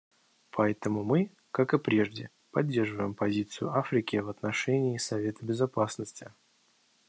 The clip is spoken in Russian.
Поэтому мы, как и прежде, поддерживаем позицию Африки в отношении Совета Безопасности.